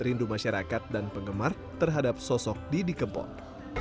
rindu masyarakat dan penggemar terhadap sosok didi kempot